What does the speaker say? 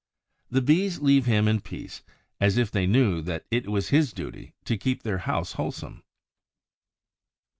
The Bees leave him in peace, as if they knew that it was his duty to keep their house wholesome.